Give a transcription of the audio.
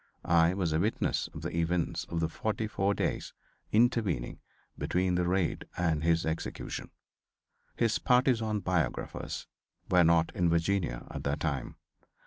I was a witness of || the events of the forty four days intervening between the raid || and his execution. |||| His partisan biographers were not in Virginia at that time.